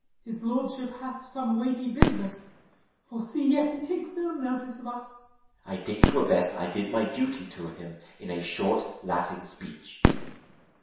SURREY. His Lordship hath some weighty business; For, see, yet he takes no notice of us. ERASMUS. I think twere best I did my duty to him In a short Latin speech.